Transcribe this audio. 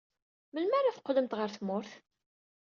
Melmi ara teqqlemt ɣer tmurt?